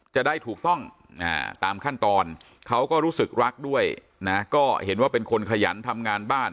จะได้ถูกต้องตามขั้นตอนเขาก็รู้สึกรักด้วยนะก็เห็นว่าเป็นคนขยันทำงานบ้าน